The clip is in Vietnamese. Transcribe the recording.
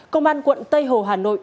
công an quận tây hồ hà nội